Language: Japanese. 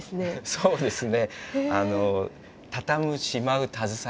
そうですね。